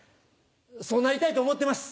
そうなりたいと思ってます。